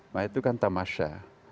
nah itu kan tamasha